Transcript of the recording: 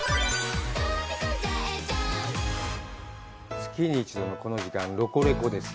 月に１度のこの時間、「ロコレコ！」です。